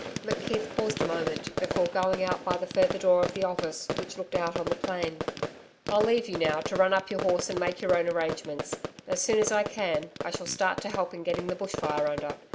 McKeith paused a moment before going out by the further door of the office which looked out on the plain. 'I'll leave you now to run up your horse and make your own arrangements. As soon as I can, I shall start to help in getting the bush fire under.